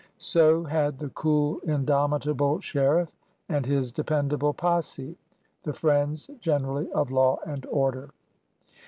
So had the cool, indomitable sheriff and his dependable posse, the friends generally of law and order.